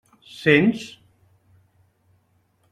Sents?